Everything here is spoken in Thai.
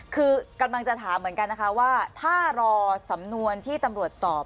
คือกำลังจะถามเหมือนกันนะคะว่าถ้ารอสำนวนที่ตำรวจสอบ